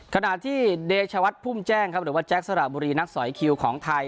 ขณะที่เดชวัดพุ่มแจ้งครับหรือว่าแก๊สสระบุรีนักสอยคิวของไทย